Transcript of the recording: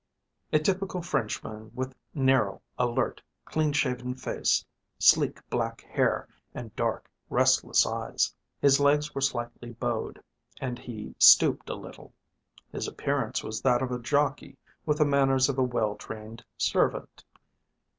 A typical Frenchman with narrow, alert, clean shaven face, sleek black hair and dark restless eyes. His legs were slightly bowed and he stooped a little; his appearance was that of a jockey with the manners of a well trained servant.